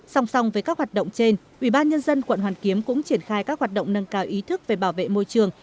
song song với các hoạt động trên ubnd quận hoàn kiếm cũng triển khai các hoạt động nâng cao ý thức về bảo vệ môi trường